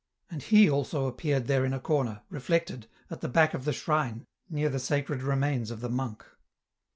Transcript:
And he also appeared there in a corner, reflected, at the back of the shrine, near the sacred remains of the monk.